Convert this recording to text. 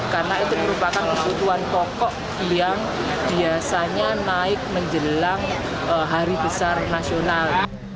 karena itu merupakan kebutuhan pokok yang biasanya naik menjelang hari besar nasional